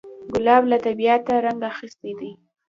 ګلاب له طبیعته رنګ اخیستی دی.